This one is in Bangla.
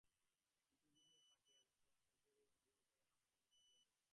চিঠিগুলো পাঠের পর আশা করি অনুগ্রহ করে আমার কাছে পাঠিয়ে দেবেন।